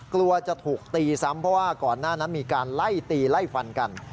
กลัวจะถูกตีซ้ำเพราะว่าก่อนหน้านั้นมีการไล่ตีไล่ฟันกัน